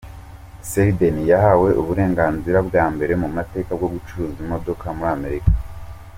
Selden yahawe uburenganzira bwa mbere mu mateka bwo gucuruza imodoka muri Amerika.